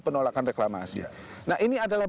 penolakan reklamasi nah ini adalah